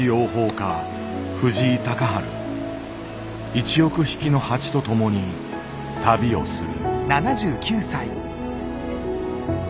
１億匹の蜂と共に旅をする。